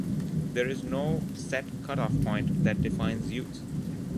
There is no set cut off point that defines youth.